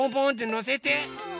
のせて。